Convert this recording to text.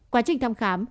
quá trình thăm khám